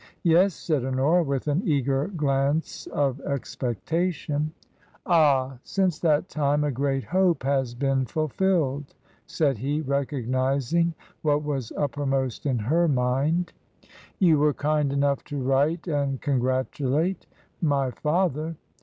" Yes," said Honora, with an eager glance of expecta tion. " Ah ! since that time a great hope has been fulfilled," said he, recognizing what was uppermost in her mind. TRANSITION. 49 " You were kind enough to write and congratulat my father."